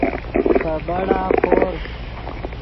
پے بڑا خور